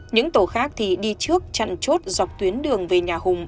những tổ khác thì đi trước chặn chốt dọc tuyến đường về nhà hùng